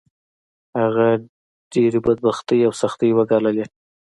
هغه هلته ډېرې بدبختۍ او سختۍ وګاللې